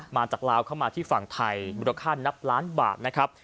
มาจากลาวเข้ามาที่ฝั่งไทยมูลค่านับล้านบาทนะครับ